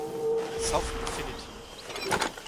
Soft Affinity